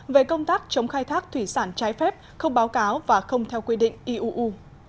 về công tác chống khai thác thủy sản trái phép không báo cáo và không theo quy định iuu